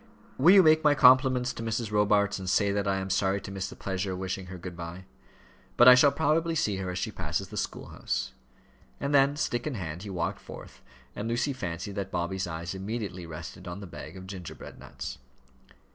"Will you make my compliments to Mrs. Robarts, and say that I am sorry to miss the pleasure of wishing her good bye? But I shall probably see her as she passes the school house." And then, stick in hand, he walked forth, and Lucy fancied that Bobby's eyes immediately rested on the bag of gingerbread nuts.